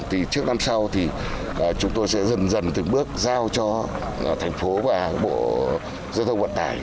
thì trước năm sau thì chúng tôi sẽ dần dần từng bước giao cho thành phố và bộ giao thông vận tải